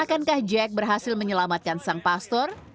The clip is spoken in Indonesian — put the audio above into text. akankah jack berhasil menyelamatkan sang pastor